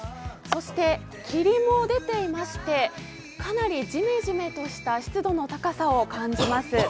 そして霧も出ていましてかなりじめじめとした湿度の高さを感じます。